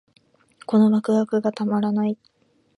このワクワクがたまらない